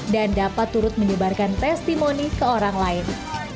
dan dapat turut menyebarkan testimoni ke orang lain